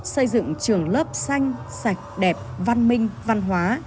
xây dựng trường lớp xanh sạch đẹp văn minh văn hóa